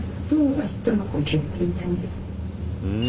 うん。